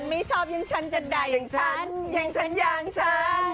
ไม่ชอบอย่างฉันจะได้อย่างฉันอย่างฉันอย่างฉัน